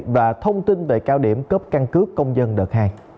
và thông tin về cao điểm cấp căn cước công dân đợt hai